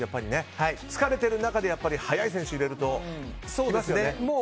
疲れてる中で速い選手入れると効きますよね。